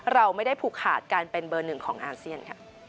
เราไม่ได้ผูกขาดการเป็นเบอร์หนึ่งของอาเซียนค่ะ